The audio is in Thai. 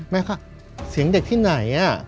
แม่คะเสียงเด็กที่ไหน